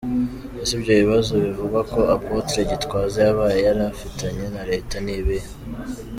Ese ibyo bibazo bivugwa ko Apotre Gitwaza yaba yari afitanye na Leta ni ibihe ?